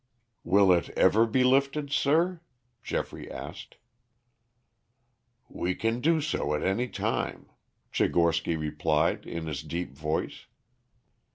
"Will it ever be lifted, sir?" Geoffrey asked. "We can do so at any time," Tchigorsky replied in his deep voice.